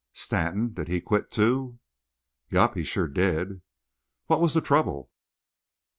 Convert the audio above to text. "Stanton?... Did he quit too?" "Yep. He sure did." "What was the trouble?"